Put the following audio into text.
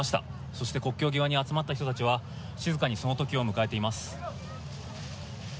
そして国境際に集まった人たちは静かにそのときを迎えています。